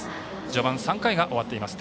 序盤、３回が終わっています。